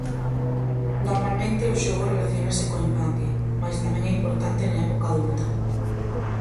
Normalmente o xogo relaciónase coa infancia, mais tamén é importante na época adulta.